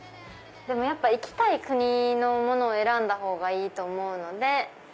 やっぱ行きたい国のものを選んだほうがいいと思うので。